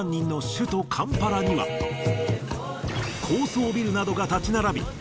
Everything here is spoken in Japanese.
高層ビルなどが立ち並び